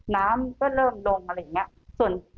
น้ำก็เริ่มดมอะไรอย่างนี้